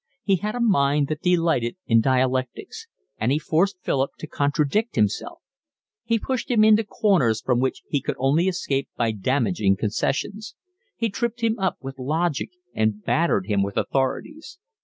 He had a mind that delighted in dialectics, and he forced Philip to contradict himself; he pushed him into corners from which he could only escape by damaging concessions; he tripped him up with logic and battered him with authorities.